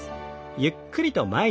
ゆっくりと前に曲げて。